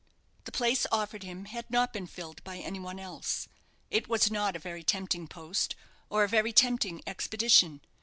The place offered him had not been filled by any one else. It was not a very tempting post, or a very tempting expedition.